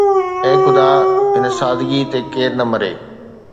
اي خدا هن سادگي تي ڪير نه مري.